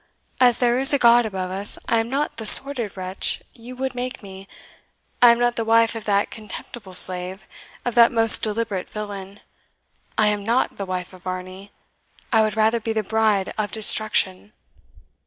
as there is a God above us, I am not the sordid wretch you would make me! I am not the wife of that contemptible slave of that most deliberate villain! I am not the wife of Varney! I would rather be the bride of Destruction!"